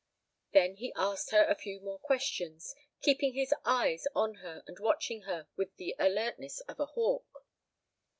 Then he asked her a few more questions, keeping his eyes on hers, and watching her with the alertness of a hawk.